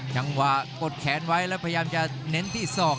จังหวะกดแขนไว้แล้วพยายามจะเน้นที่ศอก